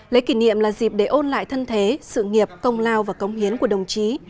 lễ kỷ niệm là dịp để ôn lại thân thế sự nghiệp công lao và công hiến của đồng chí